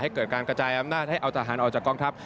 เกิดการกระจายอำนาจให้เอาทหารออกจากกองทัพ